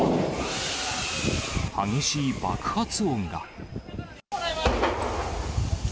激しい爆発音が。